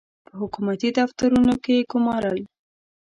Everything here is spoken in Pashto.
په حکومتي دفترونو کې ګومارل.